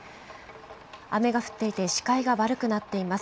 雨が降っていて、視界が悪くなっています。